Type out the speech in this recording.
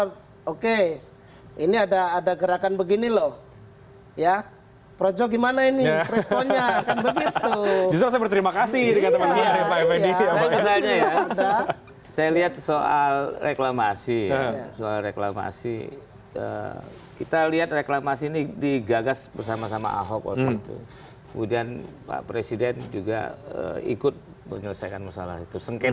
terima kasih terima kasih